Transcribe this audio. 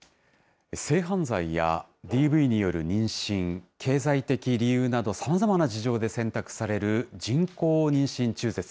性犯罪やＤＶによる妊娠、経済的理由など、さまざまな事情で選択される人工妊娠中絶。